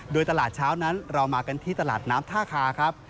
โดยตลาดเช้านั้นเรามากันที่ตลาดน้ำท่าคาครับ